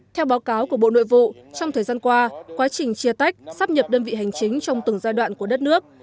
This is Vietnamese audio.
theo báo cáo của bộ nội vụ trong thời gian qua quá trình chia tách sắp nhập đơn vị hành chính trong từng giai đoạn của đất nước